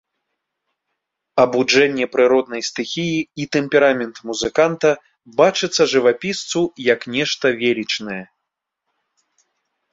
Абуджэнне прыроднай стыхіі і тэмперамент музыканта бачыцца жывапісцу як нешта велічнае.